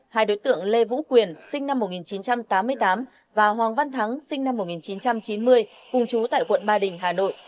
hai đối tượng lê vũ quyền sinh năm một nghìn chín trăm tám mươi tám và hoàng văn thắng sinh năm một nghìn chín trăm chín mươi cùng chú tại quận ba đình hà nội